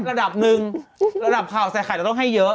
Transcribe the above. ระดับหนึ่งระดับข่าวใส่ไข่เราต้องให้เยอะ